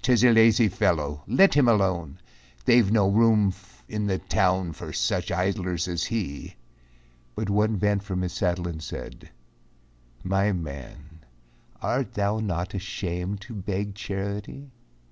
"'T is a lazy fellow, let him alone, They've no room in the town for such idlers as he." But one bent from his saddle and said, "My man, Art thou not ashamed to beg charity!